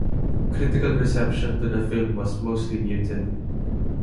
Critical reception to the film was mostly muted.